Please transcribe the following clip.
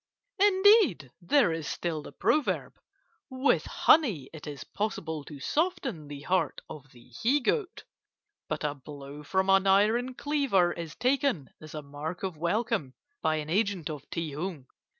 Indeed, there is still the proverb, 'With honey it is possible to soften the heart of the he goat; but a blow from an iron cleaver is taken as a mark of welcome by an agent of Ti Hung.